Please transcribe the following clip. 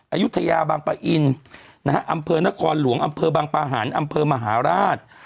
อายุทยาบางปะอินนะฮะอำเภอนครหลวงอำเภอบางปะหันอำเภอมหาราช